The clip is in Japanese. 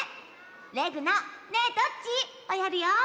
レグの「ねえどっち？」をやるよ。